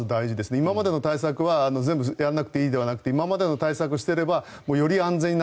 今までの対策は全部やらなくていいではなくて今までの対策をしていればより安全だと。